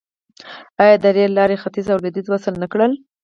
آیا د ریل لارې ختیځ او لویدیځ وصل نه کړل؟